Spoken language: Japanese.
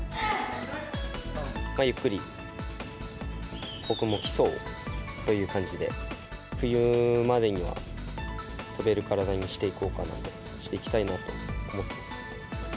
ゆっくり、ここも基礎をという感じで、冬までには飛べる体にしていこうかな、していきたいと思います。